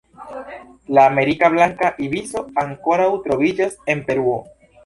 La Amerika blanka ibiso ankoraŭ troviĝas en Peruo.